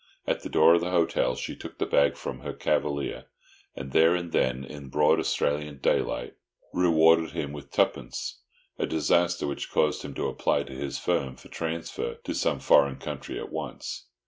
At the door of the hotel she took the bag from her cavalier, and there and then, in broad Australian daylight, rewarded him with twopence—a disaster which caused him to apply to his firm for transfer to some foreign country at once.